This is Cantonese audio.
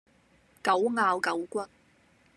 狗咬狗骨